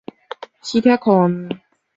磁铁矿。